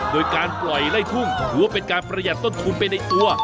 โดยการปล่อยไล่ทุ่งถือว่าเป็นการประหยัดต้นทุนไปในตัว